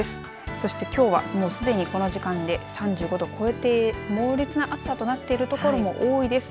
そしてきょうは、すでにこの時間で３５度を超えて猛烈な暑さとなっているところも多いです。